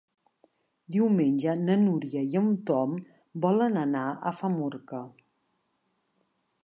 Diumenge na Núria i en Tom volen anar a Famorca.